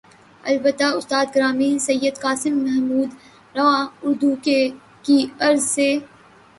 البتہ استاد گرامی سید قاسم محمود رواں اردو کی غرض سے